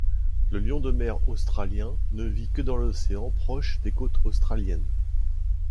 Le lion de mer australien ne vit que dans l'ocèan proche des côtes australiennes.